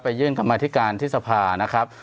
ไปยื่นกลับมาที่การที่สภานะครับ